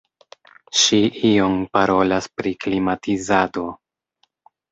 Ŝi ion parolas pri klimatizado.